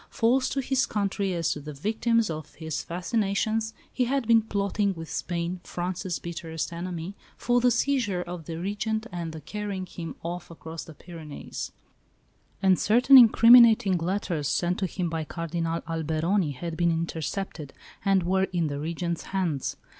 False to his country as to the victims of his fascinations, he had been plotting with Spain, France's bitterest enemy, for the seizure of the Regent and the carrying him off across the Pyrenees; and certain incriminating letters sent to him by Cardinal Alberoni had been intercepted, and were in the Regent's hands.